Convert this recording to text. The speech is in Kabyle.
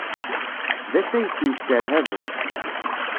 D asayes yesserhaben.